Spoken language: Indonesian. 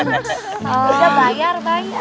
pake toilet aja yang bayar